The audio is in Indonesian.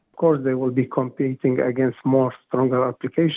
mereka akan bergabung dengan aplikasi yang lebih kuat